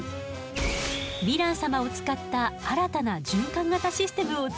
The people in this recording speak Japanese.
ヴィラン様を使った新たな循環型システムを作り出したの。